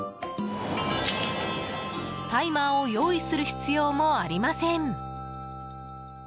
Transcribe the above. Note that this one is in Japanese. タイマーを用意する必要もありません。